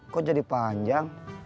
kok jadi panjang